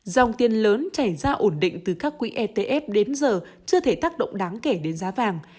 dòng tiền lớn chảy ra ổn định từ các quỹ etf đến giờ chưa thể tác động đáng kể đến giá vàng